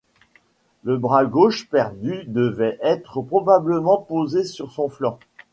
Le bras gauche perdu devait être probablement posé sur son flanc.